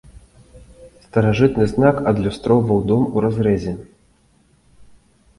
Старажытны знак адлюстроўваў дом у разрэзе.